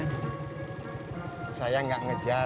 kita bisa ke tempat yang lebih dekat